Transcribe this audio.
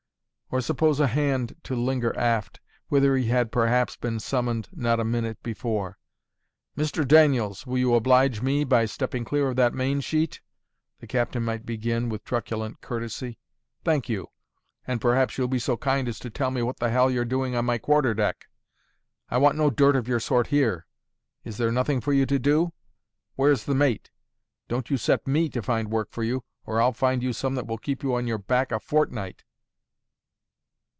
Or suppose a hand to linger aft, whither he had perhaps been summoned not a minute before. "Mr. Daniells, will you oblige me by stepping clear of that main sheet?" the captain might begin, with truculent courtesy. "Thank you. And perhaps you'll be so kind as to tell me what the hell you're doing on my quarter deck? I want no dirt of your sort here. Is there nothing for you to do? Where's the mate? Don't you set ME to find work for you, or I'll find you some that will keep you on your back a fortnight."